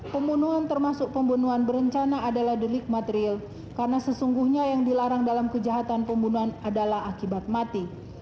pembunuhan termasuk pembunuhan berencana adalah delik material karena sesungguhnya yang dilarang dalam kejahatan pembunuhan adalah akibat mati